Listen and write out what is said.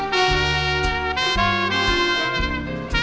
สาวันดี